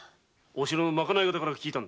お城の賄方から聞いた。